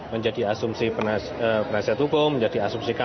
menjadi asumsi penasihat hukum menjadi asumsi kami